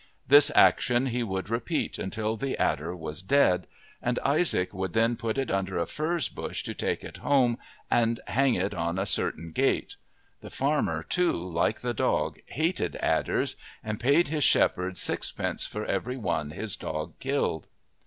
This action he would repeat until the adder was dead, and Isaac would then put it under a furze bush to take it home and hang it on a certain gate. The farmer, too, like the dog, hated adders, and paid his shepherd sixpence for every one his dog killed.